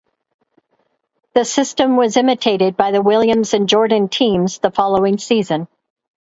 The system was imitated by the Williams and Jordan teams the following season.